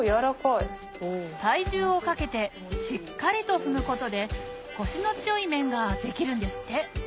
体重をかけてしっかりと踏むことでコシの強い麺ができるんですって！